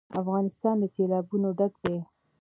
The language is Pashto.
افغانستان له سیلابونه ډک دی.